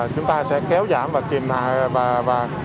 chúng ta sẽ kéo giảm và kìm hạ